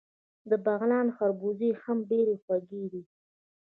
د بغلان خربوزې هم ډیرې خوږې دي.